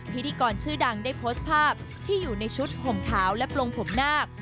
พิธีกรชื่อดังได้โพสต์ภาพที่อยู่ในชุดห่มขาวและปลงผมนาค